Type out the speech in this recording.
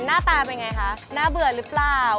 หน้าตาเป็นไงคะน่าเบื่อหรือเปล่า